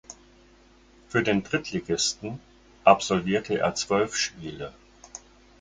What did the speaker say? Für den Drittligisten absolvierte er zwölf Spiele.